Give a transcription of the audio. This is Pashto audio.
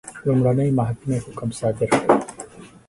لومړنۍ محکمې حکم صادر کړ.